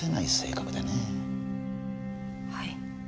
はい。